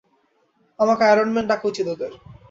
আমাকে আয়রনম্যান ডাকা উচিত ওদের।